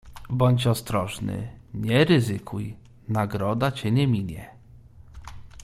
"Bądź ostrożny, nie ryzykuj, nagroda cię nie minie."